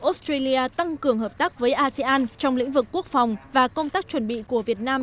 australia tăng cường hợp tác với asean trong lĩnh vực quốc phòng và công tác chuẩn bị của việt nam